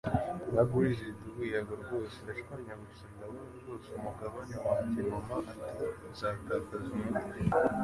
Nka grizzly idubu yego rwose ndashwanyaguritse ndabona rwose umugabane wanjyeMama ati nzatakaza umutwe